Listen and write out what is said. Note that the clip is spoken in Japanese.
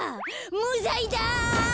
むざいだ！